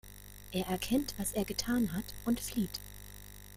Er erkennt, was er getan hat, und flieht.